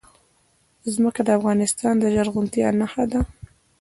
ځمکه د افغانستان د زرغونتیا نښه ده.